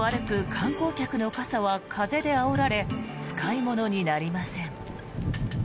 観光客の傘は風であおられ使い物になりません。